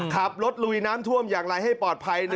ขับรถลุยน้ำท่วมอย่างไรให้ปลอดภัย